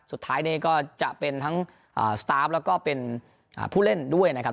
สุดท้ายนี้ก็จะเป็นทั้งสตาร์ฟแล้วก็เป็นผู้เล่นด้วยนะครับ